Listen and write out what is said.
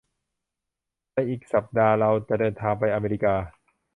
ในอีกสัปดาห์เราจะเดินทางไปอเมริกา